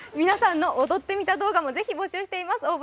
皆さんの「踊ってみた」動画も募集しています。